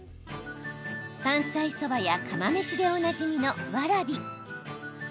山菜そばや釜飯でおなじみのわらび。